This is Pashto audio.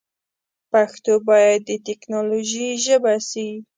پښتو باید د ټیکنالوژي ژبه سی.